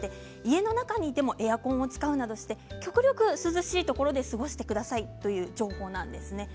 家の中でもエアコンを使うなどして極力涼しいところで過ごしてくださいっていう情報です。